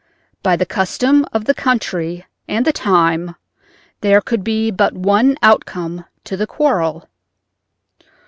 By the custom of the country and the time there could be but one outcome to the quarrel.